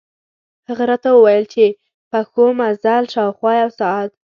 هغه راته ووېل په پښو مزل، شاوخوا یو ساعت.